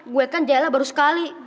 gue kan jala baru sekali